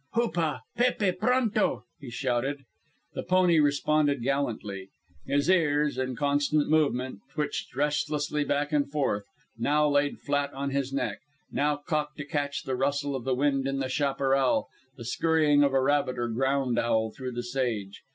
"Hoopa, Pépe; pronto!" he shouted. The pony responded gallantly. His head was low; his ears in constant movement, twitched restlessly back and forth, now laid flat on his neck, now cocked to catch the rustle of the wind in the chaparral, the scurrying of a rabbit or ground owl through the sage.